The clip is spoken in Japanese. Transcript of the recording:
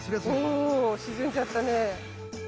お沈んじゃったね。